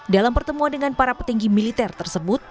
dalam pertemuan dengan para petinggi militer tersebut